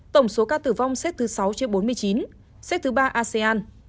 tổng số ca tử vong xét thứ sáu trên bốn mươi chín xếp thứ ba asean